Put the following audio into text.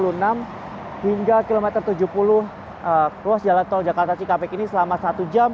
hingga kilometer tujuh puluh ruas jalan tol jakarta cikampek ini selama satu jam